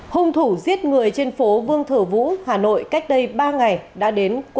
hùng thủ giết người trên phố vương thở vũ hà nội cách đây ba ngày đã đến